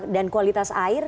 dan kualitas air